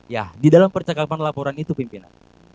ya di dalam percakapan laporan itu pimpinan